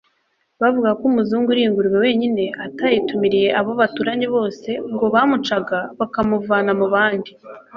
Bavugaga ko Umuzungu uriye ingurube wenyine atayitumiriye abo baturanye bose ngo bamucaga bakamuvana mu bandi